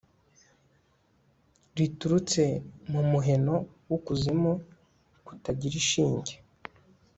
riturutse mu muheno w'ukuzimu kutagira shinge